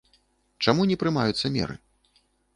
Чаму не прымаюцца меры?